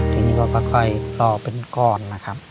ทีนี้ก็ค่อยต่อเป็นก้อนนะครับ